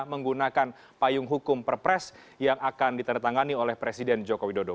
menggunakan payung hukum perpres yang akan ditandatangani oleh presiden joko widodo